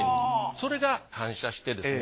それが反射してですね